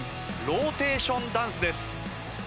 ローテーションダンスです。